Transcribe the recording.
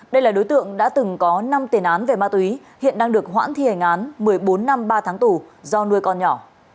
đây là đối tượng đã từng có năm tiền án về ma túy hiện đang được hoãn thi hành án một mươi bốn năm ba tháng tù do nuôi con nhỏ